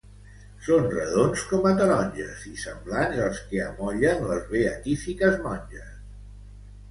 Són redons com a taronges i semblants als que amollen les beatífiques monges.